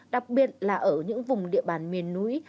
đặc biệt là ở những vùng địa bàn miền núi